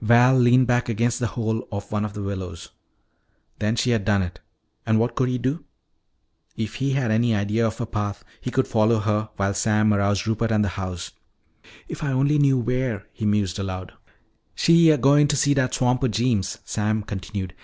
Val leaned back against the hole of one of the willows. Then she had done it! And what could he do? If he had any idea of her path, he could follow her while Sam aroused Rupert and the house. "If I only knew where " he mused aloud. "She a goin' to see dat swamper Jeems," Sam continued.